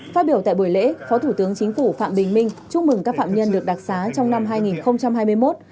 phát biểu tại buổi lễ phó thủ tướng chính phủ phạm bình minh chúc mừng các phạm nhân được đặc xá trong năm hai nghìn hai mươi một